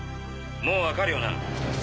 もう分かるよな？